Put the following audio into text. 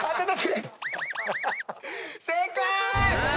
正解！